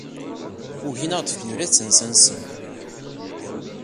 Ugin ad aɣ-d-fken ula d tansa-nsen.